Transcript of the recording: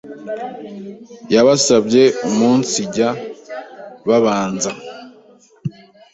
Yabasabye umunsijya babanza